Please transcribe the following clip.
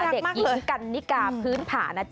เด็กอี๋งกันนิการ์พื้นผ่าน